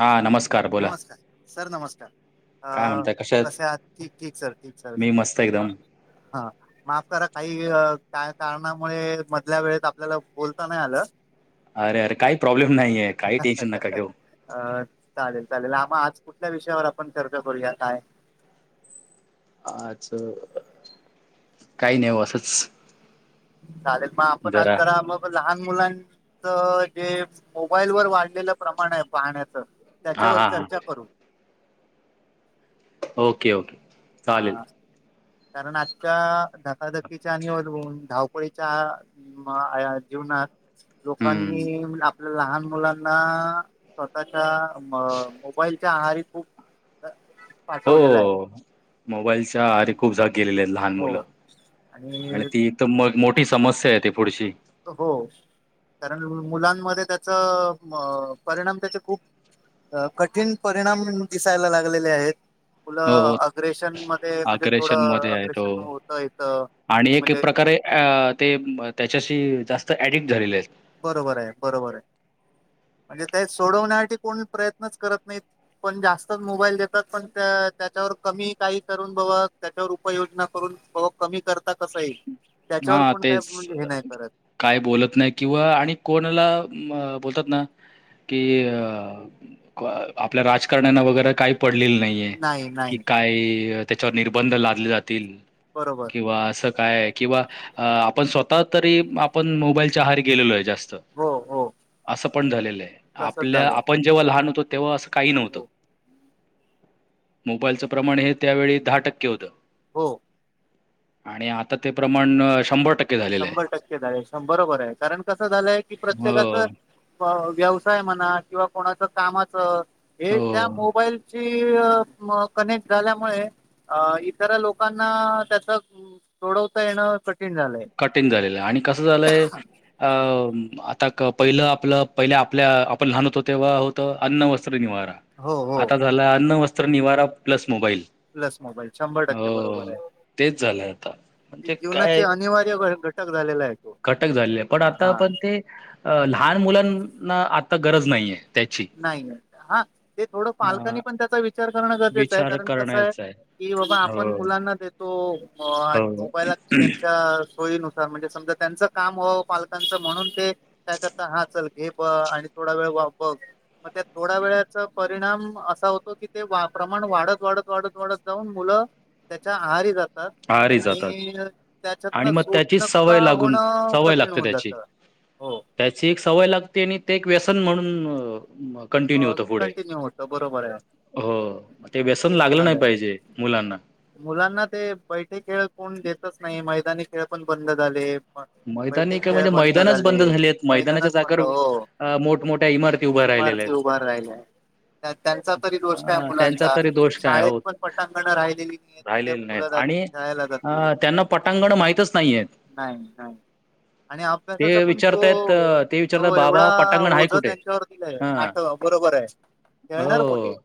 हा नमस्कार बोला. नमस्कार सर नमस्कार काय अ म्हणताय कशा आहेत? कसे आहात ठीक ठीक सर ठीक सर मी मस्त एकदम. हा माफ करा ताई काही कारणामुळे मधल्या वेळेत आपल्याला बोलता नाही आलं. अरे अरे काही प्रॉब्लेम नाहीये, काही टेन्शन नका का घेऊ. अ चालेल चालेल हा म आज कुठल्या विषयावर आपण चर्चा करूया काय? आज काही नाहीओ असंच चालेल मग आपण आज जरा मग मग लहान मुलांच, जे मोबाईल वर वाढलेलं प्रमाण आहे पाहण्याचं हा त्याच्यावर हा हा चर्चा करू. Okay okay. चालेल हा कारण आजच्या धकाधकीच्या निवून [unintelligible] धावपळीच्या म या जीवनात हम्म लोकांनी आप आपल्या लहान मुलांना स्वतःच्या म् मोबाईलच्या आहारी खूप ह [inaudible] हो मोबाईलच्या आहारी खूप जा गेलेले आहेत लहान हो मुलं आणि ती तर मग मोठी समस्या आहेे ती ते पुढशी हो कारण मुलांमध्ये त्याचा परिणाम त्याचे खूप अ कठीण परिणाम दिसायला लागलेले आहेत. हो मुलं हो अग्रेशन मध्ये म्हणजे आग्रेशन थोडं मध्ये आहेत हो. अग्रेशन होतं इथ आणि एक एक प्रकारे अ ते त्याच्याशी जास्त ऍडिक्ट झालेले आहेत. बरोबर आहे, बरोबर आहे, म्हणजे त्या सोडवण्यासाठी कोण प्रयत्नच करत नाहीत. पण जास्तच मोबाईल देतात, पण त्या त्याच्यावर कमी काही करून बघ त्याच्यावर उपययोजना करून हो कमी करता कसं येईल, त्याच्यावर हां कोण काय तेच. म्हणजे हे नाही करत काय बोलत नाही किंवा आणि कोणाला बोलतात ना कि अ आपल्या राजकारन्यांना वगैरे काही पडलेली नाही. [inaudible] कि काय त्याच्यावर निर्बंध लादले जातील. बरोबर. किंवा असं काय आहे किंवा आपण स्वतः तरी आपण मोबाईलच्या आहारी गेलेलो आहे जास्त. हो हो असं पण झालेलंय. तसच आपल्या झालं आपण जेव्हा लहान होतो तेव्हा असं काही हो नव्हतं. हो मोबाईलचं प्रमाण हे त्यावेळी दहा टक्के होतं. हो. आणि आता ते प्रमाण शंभर टक्के शंभर टक्के झाले बरोबर आहे कारण कसं झालंय की प्रत्येकाचं हो, व्यवसाय म्हणा किंवा कोणाच कामाच हे त्या हो. मोबाईलची ते - म -कनेक्ट झाल्यामुळे इतर लोकांना त्याचा - सोडवता येणं कठीण झालय. कठीण झालेलंय आणि कसं झालंय? अ आता पहिलं आपलं, पहिल्या आपल्या आपण लहान होतो तेव्हा होतं अन्न वस्त्र निवारा. हो हो. ल्याला अन्न, वस्त्र, निवारा प्लस मोबाईल. Plus mobile. शंभर टक्के हो बरोबर आहे. तेच झालंय आता म्हणजे जीवनाचे काय अनिवार्य घ - -टक झालेला आहे. तो घटक झालेलाय. पण आता हा पण ते लहान मुलांना आता गरज नाहीये. त्याची नाही ना. हां ते थोडं अ पालकांनी पण त्याचा विचार करणं गरजेचं आहे. विचार कारण कसं आहे- करण्याचा कि बाबा आपण हो मुलांना देतो. हो मोबाईल आता त्यांच्या सोयीनुस- -सार. म्हणजे समजा त्यांचं काम व्हावं पालकांचं म्हणून ते- काय करता? हा. चल घे बघ आणि थोडा वेळ व बघ. मग त्यात थोड्या वेळाचा परिणाम असा होतो की, ते प्रमाण वाढत वाढत वाढत वाढत जाऊन मुलं- त्याच्या आहारी जात- -तात आहारी जातात आणि आणि त्याच्यातनं मग त्याची सोटणं का सवय लागून होणं सवय कठीण लागते होऊन त्याची जातं. हो. त्याची एक सवय लागते आणि ते एक व्यसन म्हणून कंटिन्यू होत पुढे. बर आहे. हो. ते व्यसन तेच लागलं नाही झालंय पाहिजे मुलांना. मुलांना ते बैठे खेळ कोण देतच नाही. मैदानी खेळ पण बंद झाले. प - मैदानी काय? म्हणजे मैदानच बंद झालेत. मैदानाच्या मैदानच बंद हो जागेवर मोठमोठ्या इमारती- उभ्या राहिलेल्या इमारती उभ्या राहिल्याय. त्यात त्यांचा तरी दोष आहेत काय अ, त्यांचा मुलांचा? तरी - दोष काय शाळेत हो पण पटांगण राहिलेली- आहेत कि त्या राहिलेले नाहीत. मुलं जात आणि खेळायला जातील अ त्यांना पटांगण माहितच नाहीहेत. नाही नाही. आणि अभ्यासाचा पण विचारतायत जो, अ, ते विचारतात जो बाबा एवढा पटांगण ओझ आहे कुठे त्यांच्यावर- हा आता बरोबर आहे. खेळणार कुठे? हो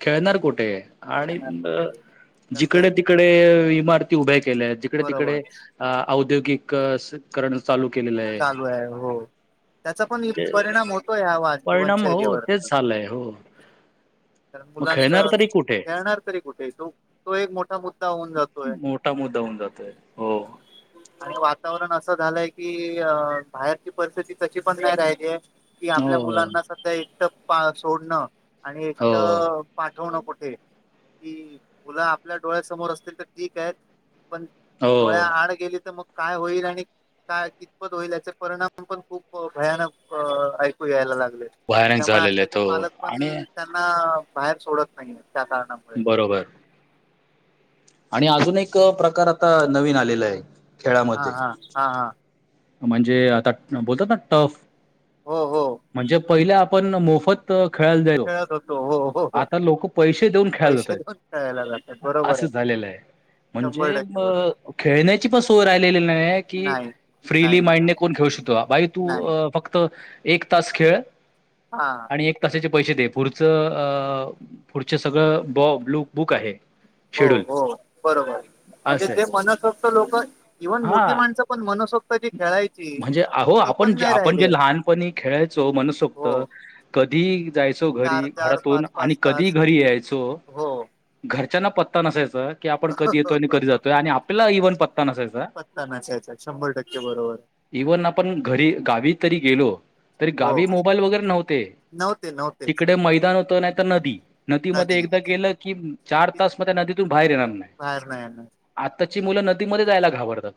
खेळणार कुठे? आणि- खेळणार कुठे जिकडे एकंदरीत तिकडे इमारती उभ्या केल्यात. जिकडे बरोबर तिकडे अ औद्योगिक- करण चालू केलेलं चालू आहे हो. त्याचा पण म्हणजे परिणाम होतोय. हा. आवाज परिणाम हो जीवनशैलीवर - तेच झालंय हो. कारण मग मुलांच खेळणार तरी कुठे? खेळणार तरी कुठे? तो तो एक मोठा मुद्दा होऊन जातो. मोठा मुद्दा होऊन जातोय. हो. हो. वातावरण असं झालंय की अ बाहेरची परिस्थिती तशी पण नाही राहिलीय. कि हो, आपल्या मुलांना सध्या एकट पा सोडणं आणि हो, एकट- पाठवणं कुठे कि मुलं आपल्या डोळ्यासमोर असतील तर ठीक आहेत पण- हो. डोळ्याआड गेली तर मग काय होईल आणि- काय कितपत होईल? याचे परिणाम पण खूप भयानक ऐकू यायला लागलेत. भयानक त्यामुळे झालेले आजकालचे आहेत हो पालक पण आणि त्यांना बाहेर सोडत नाहीय. त्या कारणामुळे. बरोबर. आणि अजून एक प्रकार आता नवीन आलेला आहे. हा खेळामध्ये. हा हा हा. म्हणजे आता बोलतात ना टर्फ? हो हो म्हणजे पहिले आपण मोफत- खेळायला जायलो. खेळत होतो हो हो हो आता लोक पैसे देऊन खेळाय ला पैसे जातायेत. देऊन खेळायला जातात बरोबर असं झालेलं आहे. शंभर म्हणजे टक्के अ बरोबर खेळण्याची पण सोय राहिलेली नाही कि. नाही फ्रीली नाही माइंडने नाही कोण खेळू शकतो बाई तू नाही फक्त एक तास खेळ. हा. आणि एक तासाचे पैसे दे पुढचं, पुढच सगळं बॉब बुक आहे. हो शेड्यूल हो बरोबर म्हणजे असं आहे ते म्हनततं लोक इव्हन मोठी हा माणसं. पण मनसोक्त ज खेळायच. म्हणजे आहो आपण, आपण जे लहानपणी खेळायचो मनसोक्त. हो कधी जायचो चार घरी चार घरातून पाच आणि पाच कधी तास घरी यायचो. हो घरच्यांना पत्ता नसायचा की आपण कधी येतोय आणि कधी जातोय आणि आपल्याला इव्हन पत्ता नसायचा. शंभर टक्के बरोबर. इव्हन आपण घरी गावी तरी गेलो तरी हो गावी मोबाईल वगैरे नव्हते. नव्हते नव्हते. तिकडे मैदान होतं नाही तर नदी. नदीमध्ये नदी एकदा गेलं की चार तीच तास मग त्या नदीतून बाहेर येणार नाही. बाहेर नाही ना. आत्ताची मुलं नदीमध्ये जायला घाबरतात.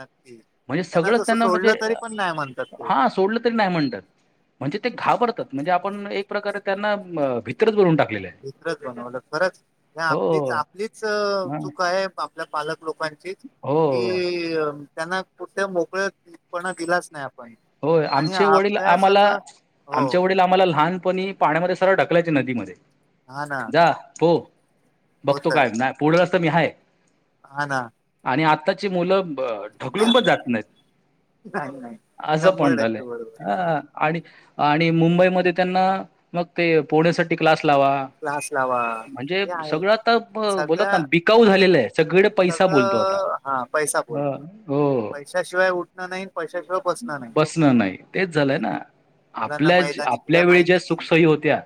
नकी. सगळं त्यांना म्हणजे हा सोडलं. म्हण म्हणजे ते घाबरत म्हणजे आपण एक प्रकारे त्यांना. तरचर टाकले आहे. एक्रच बनवलं खरंच ह आपलीच हो आपलीच हां. चूक आहे आपल्या पालक लोकांची. कि हो त्यांना कुठ्या मोकळ्यापणा दिलाच नाही आपण. होय आणि आमचे वडील अभ्यासाच आम्हाला हो आमच्या वडील आम्हाला लहानपणी. पाण्यामध्ये सरळ ढकलायचे नदीमध्ये हा ना जा हो बघतो काय ना. बुढलस रस्त मी हाय. ह ना. आणि आत्ताची मुलं ढकलून पण जात नाहीत. नाही नाही. आजं शंभर टक्के पणडलंय बरोबर ह. आहे. आणि आणि मुंबईमध्ये त्यांना मग ते पोहण्यासाठी क्लास लावा. क्लास लावा म्हणजे हे आहे सगळं आता बोलत सगळ्या ना बिकाऊ म्हणजे झालेलं आहे सगडे पैसा बोलतो आता. सगळं हा पैसा अ, बोलतो हो पैशाशिवाय उठणं नाही पैशाशिवाय. बसणं नाही बसणं नाही तेच झालंय ना मुलांना आपल्या मैदानी खेळ आपल्या वेळी ज्या माहिती नाही सुखसही होत्या.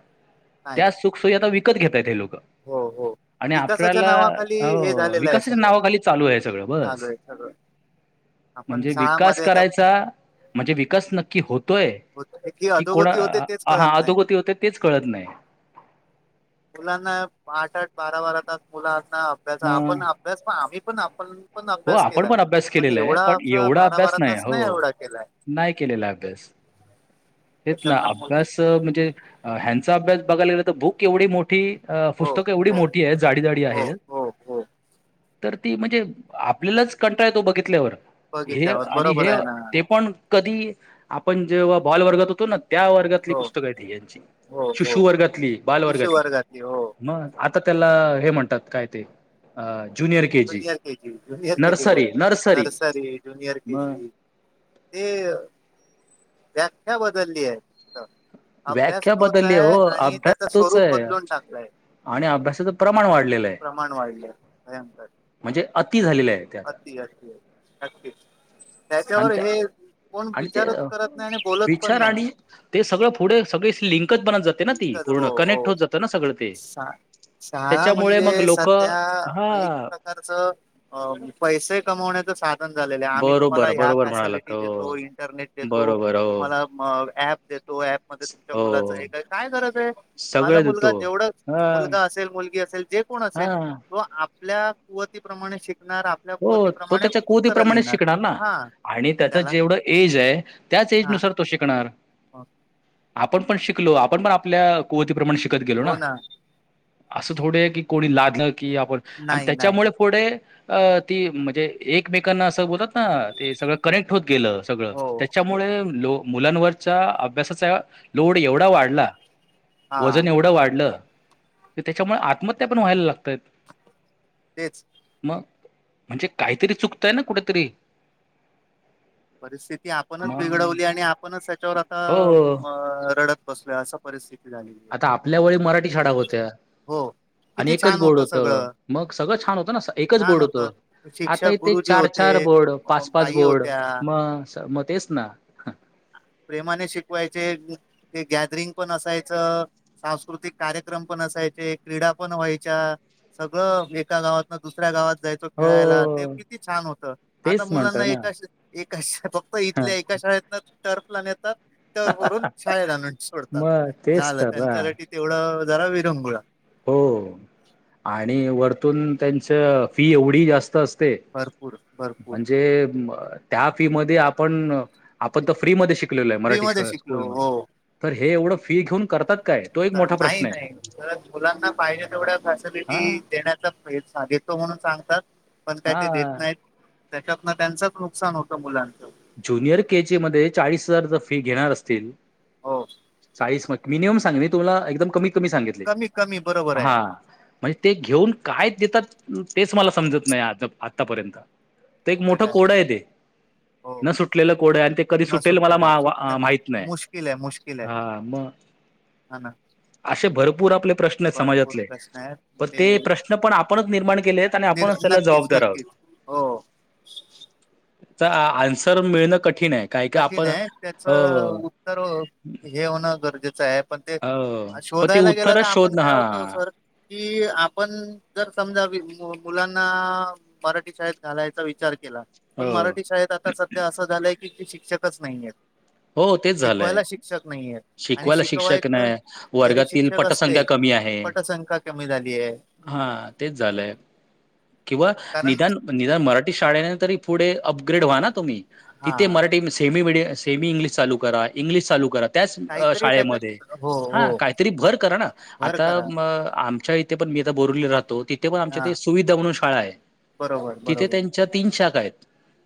नाही त्या सुखसोयी आता विकत घेतयेत हे लोकं. हो हो. विकासाच्या नावाखाली हे हो, झालेलं आहे विकासाच्या सगळं नावाखाली चालू आहे सगळं चालू बस. आहे सगळं. आपण म्हणजे विकास शाळामध्ये तर. करायचा म्हणजे विकास नक्की होतोय होतकी की कोणा अधोगती होते तेच हा कळत नाही अधोगती होतय तेच कळत नाही. मुलांना आठ-आठ, बारा-बारा तास मुलांना अभ्यास मग आपण. बस पण आम्ही पण आपण. पण हो अभ्यास आपण केलाय अभ्यास पण केलेला आहे एवढा पण आप एवढा अभ्यास बारा-बारा तास नाही हो. एवढा केलाय. नाही केलेला अभ्यास हेच ना त्याच्यात मुलं अभ्यास. म्हणजे ह्यांचा अभ्यास बघायलाला तर भूक एवढी मोठी. अ हो पुस्तकं एवढी हो मोठी आहेत जाडी-जाडी हो आहेत हो हो तर ती म्हणजे. आपल्यालाच कंटा य तो बघितल्यावर हे बघितल्यावर आणि बरोबर हे आहे ना ते पण. कधी आपण जेव्हा बॉल वर्गत होतो ना त्या वर् हो पुस्तकची हो हो शिशु वर्गातली बाल शिशु वर्गातली हो म आता त्याला हे म्हणतात काय ते junior K G K G, junior K G, बोलत त नर्सरी, जुनियर के मग जी ते व्याख्या बदलली आहे. अभ्यास व्याख्या तोच बदलली आहे हो आणि त्याचं अभ्यास तोच स्वरूप आहे बदलून टाकलाय. आणि अभ्यासाचं प्रमाण वाढलेलं आहे वाढलंय भयंकर म्हणजे अति झालेलं आहे. ते आता आणि अति, अति, अ अति अ त्या त्याच्यावर हे. कोण आणि ते विचारच करत नाही आणि बोलत पण विचार नाही आणि ते सगळं पुढे सगळे लिंकच बनत जातात. ती चिंतच पूर्ण हो हो कनेक्ट होत जात ना सगळं ते शा शाळा त्याच्यामुळे मग लोक हा त्याच पैश कमावण्याच साधन आहे पण झालेले आम्ही बरोबर तुम्हाला बरोबर म्हणालात फॅसिलिटी हो देतो इंटरनेट देतो बरोबर हो तुम्हाला अँप देतो. मध्ये तुमच्या मुलाच हो हे काय काय गरज आहे माझा सगळे मुलगा देतो जेवढ ह मुलगा असेल मुलगी असेल जे ण असेल हा त आपल्या कुवतीप्रमाणे शिकणार. हो तो कुवतीप्रमाणे त्याच्या उत्तरं कुतीप्रमाणे लिहिणार शिकणार ना हा आणि त्याच त्याला जेवढं एज आहे त्याच एज नुसार तो शिकणार हो आपण पण शिकलो आपण पण आपल्या कुवतीप्रमाणे शिकत गेलो ना, असं थोडे की कोणी लादलं की आपण आणि नाही नाही त्याच्यामुळे पुडे अ ती म्हणजे एकमेकांना असं बोलतात ते सगळं कनेक्ट होत गेलं सगळं हो त्याच्यामुळे लो मुलांवरचा अभ्यासाचा लोड एवढा वाढला. हा वजन एवढं वाढलं की, त्याच्यामुळे आत्महत्या पण व्हायला लागतय. तेच मग म्हणजे काहीतरी चुकतय ना कुठेतरी परिस्थिती आपणच मग बिघडवली आणि आपणच त्याच्यावर हो. आता रडत बसलोय असं परिस्थिती झाली. आता आपल्या वळी मराठी शाडा होत्या. हो आणि किती एकच छान बोर्ड होतं होत सगळं मग सगळं छान होतं ना एकच बोर्ड होत आता शिक्षक ते गुरु जे चार होते चार बोर्ड पाच पाच बाई बोर्ड होत्या मग मग तेच ना प्रेमाने शिकवायचे, ते गॅदरिंग पण असायचं. सांस्कृतिक कार्यक्रम पण असायचे, क्रीडा पण व्हायच्या. सगळं एका गावात ना दुसऱ्या गावात जायचं. खेळायला ते हो किती छान होतं आता तेच मुलांना म्हणतोय ना एका एका इथल्या एका शाळेतन टर्फलाून येतात र करून शाळेला आण सोडतात मग तेच झालं तर ना त्यांच्यासाठी तेवढं जरा विरंगुळा.. हो आणि वरतून त्यांच फी एवढी जास्त असते. भरपूर भरपूर म्हणजे त्या फी मध्ये आपण आपण तर फ्री मध्ये शिक शले फ्री मराठी मध्ये शिकलो स्कूल म हो तर हे एवढं फी घेऊन करतात काय? तो एक तर मोठा नाही प्रश्न नाही तर मुलांना पाहिजे तेवढ्या आहे फॅसिलिटी हा देण्यात घेतो म्हणून सांगतात पण काय ते देत हा नाहीत. त्याच्यातन त्यांचंच नुकसान होतं मुलांच ज्युनियर के जी मध्ये चाळीस हजार जर फी घेणार असतील हो चाळीस म मिनिमम सांग म तुम्हाला एकदम कमी कमी सांगितले कमी कमी बरोबर आहे हा म्हणजे ते घेऊन कायच देतात तेच मला समजत नाही आ आतापर्यंत त एक तर मोठा काय कोडा आहे ते हो न सुटलेलं कोडं आहे आणि ते कधी न सुटेल मला सुटलेलं, मा वा सुटण माहीत नाही. मुश्किल आहे मुश्किल आहे. हां, मग हा ना. असे भरपूर आपले प्र श्न भरपूर समाजातले प्रश्न आहेत पण ते प्रश्न पण आपणच निर्माण केले आहेत आणि निर आपणच त्याला नक्कीच जबाबदार आहोत. नक्कीच हो. आ आन्सर मिळणं कठीण हाय काय का आपण अ - - तर हे होणं गरजेचं आहे. पण ते अ पण ते शोधायला गेलं तर उत्तरच आपण शोधणं काय होत हां. सर कि आपण जर समजा मुलांना मराठी शाळेत घालायचा विचार केला पण हो, मराठी शाळेत आता सध्या असं झालंय की शिक्षकच नाही आहेत. हो तेच झालंय. शिकवायला शिक्षक नाहीयेत. आणि शिकवायला शिक्षक शिकवायचं नाही, जरी वर्गातील शिक्षक असले पटसंख्या पटसंख्या कमी झालीए. हा तेच झालंय किंवा कारण निदान - - निदान मराठी शाळेने तरी पुढे अपग्रेड व्हा ना तुम्ही हा तिथे मराठी सेमी मिडियासी सेमी इंग्लिश चालु करा इंग्लिश चालू करा. त्याच काहीतरी शाळेमध्ये त्याच्यात हो हो हा काहीतरी भर करा ना. भर आता करा आमच्या पण मी आता बोरवले राहतो तिथे पण आमच्या हा ते सुविधा म्हणून शाळा आहे बरोबर तिथे बरोबर त्यां च्या तीन शाख आहेत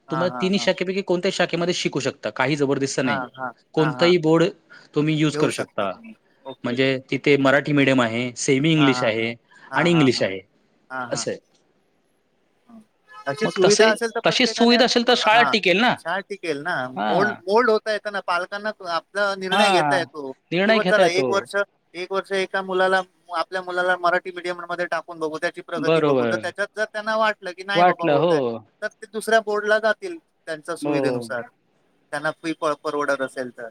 हा तुम्हाला हा तिनीही शाखेपैकी कोणत्या शाखेमध्ये शिकू शकत काही जबरदस्त हा हा नाही. हा हा हा कोणताही बोर्ड तुम्ही युज घेऊ करू शकता तुम्ही ओके म्हणजे - - तिथे मराठी मीडियम आहे. सेमी हा इंग्लिश हा आहे हा आणि हा हा इंग्लिश हा आहे असंय. अं. अशी मग सुविधा तसे असेल तर तशीच प्रत्येकाने सुविधा असेल तर शाळा हा टिकेल ना शाळा टिकेल ना. हां [unintelligible] य ना पालकांना आपला निर्णय घेता हां. येतो कि निर्णय ब घेता चला येतो एक वर्ष एक वर्ष एका मुलाला आपल्या मुलाला मराठी मिडियम मध्ये टाकून बघू त्याची प्रगती बघू तर बरोबर त्याच्यात जर त्यांना वाटलं की नाही बाबा वाटलं होत हो हाय तर ते दुसऱ्या बोर्डला जातील त्यांच्या हो. सुविधेनुसार. त्यांना फी प परवडत असेल तर.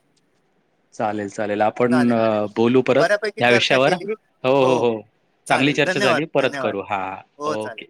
चालेल चालेल. आपण चालेल बोलू परत बऱ्यापैकी या चर्चा विषयावर केली हो. हो, हो. चांगली चालेल चर्चा धन्यवाद झाली परत धन्यवाद करू हा. हो चालेल ओके.